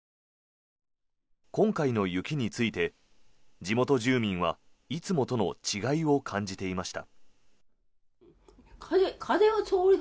今回の雪について、地元住民はいつもとの違いを感じていました。